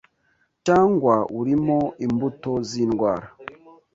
cyangwa urimo imbuto z’indwara